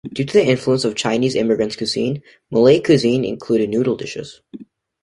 Due the influence of Chinese immigrants cuisine, Malay cuisine include noodle dishes.